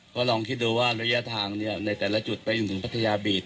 ก็ลองคิดดูว่าระยะทางในแต่ละจุดไปจนถึงพัทยาบีต